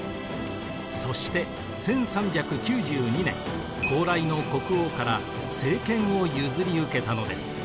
そして１３９２年高麗の国王から政権を譲り受けたのです。